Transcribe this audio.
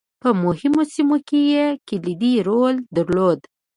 په مهمو سیمو کې یې کلیدي رول درلود.